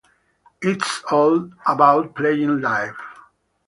It's all about playing live.